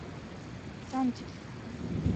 さんじ